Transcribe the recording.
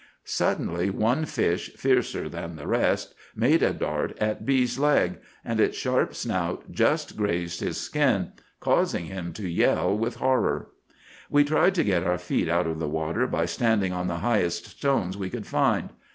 "Suddenly one fish, fiercer than the rest, made a dart at B——'s leg, and its sharp snout just grazed his skin, causing him to yell with horror. We tried to get our feet out of the water by standing on the highest stones we could find.